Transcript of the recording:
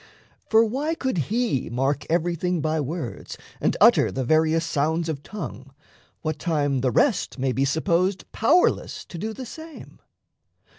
For why could he mark everything by words And utter the various sounds of tongue, what time The rest may be supposed powerless To do the same?